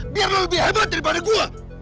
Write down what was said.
biar lo lebih hebat daripada gue